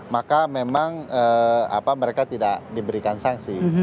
maka memang mereka tidak diberikan sanksi